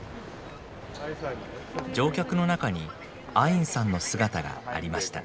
乗客の中にアインさんの姿がありました。